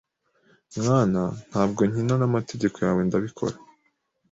Mwana, ntabwo nkina namategeko yawe ndabikora